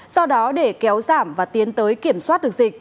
do đó để kéo giảm và tiến tới kiểm soát được dịch